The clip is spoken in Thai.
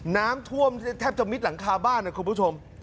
น้ำท่วมแทบจะมิดหลังคาบ้านนะคุณผู้ชม